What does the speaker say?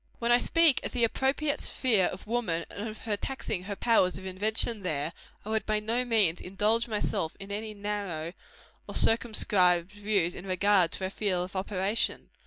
When I speak of the appropriate sphere of woman, and of her taxing her powers of invention there, I would by no means indulge myself in any narrow or circumscribed views in regard to her field of operation.